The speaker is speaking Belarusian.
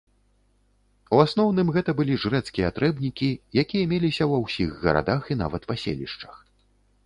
У асноўным гэта былі жрэцкія трэбнікі, якія меліся ва ўсіх гарадах і нават паселішчах.